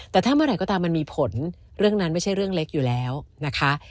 แต่ถ้าเมื่อไหร่ก็ตามมันมีผลเรื่องนั้นไม่ใช่เรื่องเล็กอยู่แล้วนะคะ